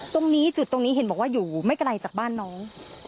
ตรงนี้จุดตรงนี้เห็นบอกว่าอยู่ไม่ไกลจากบ้านน้อง